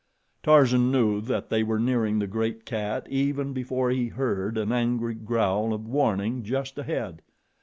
Tarzan knew that they were nearing the great cat even before he heard an angry growl of warning just ahead.